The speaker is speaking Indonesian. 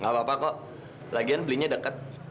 gapapa kok lagian belinya deket